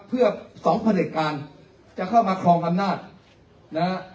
เพื่อสองพลันเหตุการณ์จะเข้ามาครองพลันนาทนะฮะ